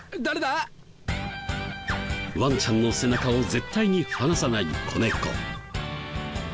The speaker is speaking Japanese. ワンちゃんの背中を絶対に離さない子猫。